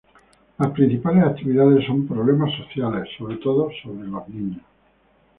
Las principales actividades son problemas sociales, sobre todo acerca de los niños.